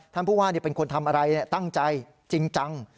ผู้ว่าเป็นคนทำอะไรตั้งใจจริงจัง